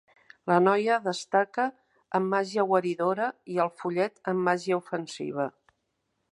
La noia destaca en màgia guaridora i el follet en màgia ofensiva.